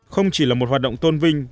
không chỉ là một hoạt động tôn vinh